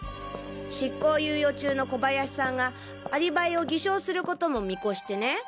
執行猶予中の小林さんがアリバイを偽証することも見越してね。